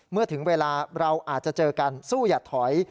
เมื่อถึงเวลาเราอาจจะเจอกันสู้อย่าถอย